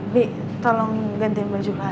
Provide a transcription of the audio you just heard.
bi tolong gantiin baju clara ya